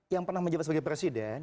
yang pernah menjabat sebagai presiden